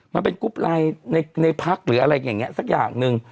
มันเป็นกรุ๊ปไลน์ในพักหรืออะไรอย่างนี้สักอย่างหนึ่ง